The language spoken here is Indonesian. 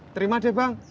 terima deh bang